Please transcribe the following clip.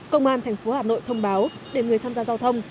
công an thành phố hà nội thông báo để người tham gia giao thông